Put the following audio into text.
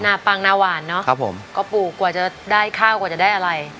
ปังหน้าหวานเนอะครับผมก็ปลูกกว่าจะได้ข้าวกว่าจะได้อะไร